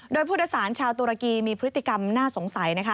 โดยผู้โดยสารชาวตุรกีมีพฤติกรรมน่าสงสัยนะคะ